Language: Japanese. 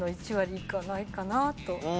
１割いかないかなと。